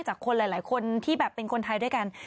คนหลายคนที่แบบเป็นคนไทยด้วยกัน